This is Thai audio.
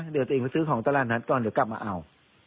เดี๋ยวตัวเองมาซื้อของตลาดนัดก่อนเดี๋ยวกลับมาเอา